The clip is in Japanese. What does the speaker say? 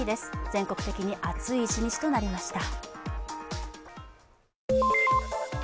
全国的に暑い一日となりました。